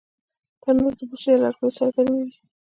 تنور د بوسو یا لرګیو سره ګرمېږي